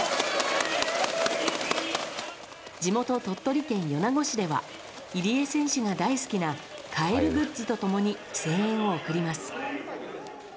地元・鳥取県米子市では入江選手が大好きなカエルグッズと共に声援を送ります。